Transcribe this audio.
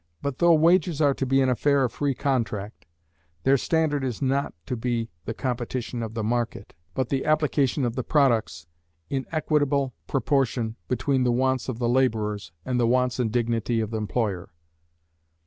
But though wages are to be an affair of free contract, their standard is not to be the competition of the market, but the application of the products in equitable proportion between the wants of the labourers and the wants and dignity of the employer.